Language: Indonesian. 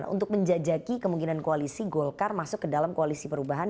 untuk menjajaki kemungkinan koalisi golkar masuk ke dalam koalisi perubahan